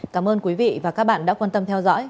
cảm ơn quý vị và các bạn đã quan tâm theo dõi